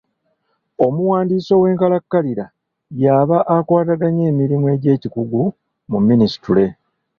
Omuwandiisi ow’enkalakkalira y’aba akwataganya emirimu egy’ekikugu mu minisitule.